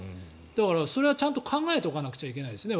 だからそれはちゃんと考えておかなきゃいけないですね